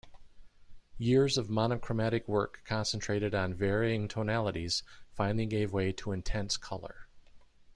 Years of monochromatic work concentrated on varying tonalities finally gave way to intense color.